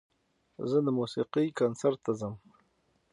زه د موسیقۍ کنسرت ته ځم.